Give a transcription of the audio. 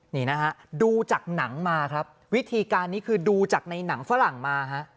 นี่นะฮะดูจากหนังมาครับวิธีการนี้คือดูจากในหนังฝรั่งมาฮะ